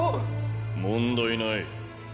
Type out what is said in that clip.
問題ない。